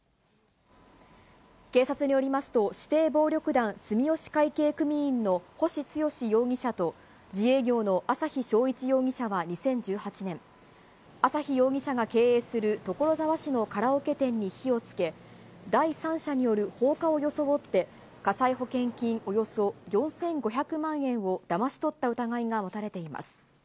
警察によりますと、指定暴力団住吉会系組員の星健容疑者と自営業の朝日晶一容疑者は２０１８年、朝日容疑者が経営する所沢市のカラオケ店に火をつけ、第三者による放火を装って、火災保険金およそ４５００万円をだまし取った疑いが持たれています。